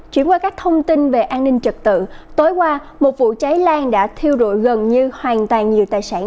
chuyển qua các thông tin về an ninh trật tự tối qua một vụ cháy lan đã thiêu rụi gần như hoàn toàn nhiều tài sản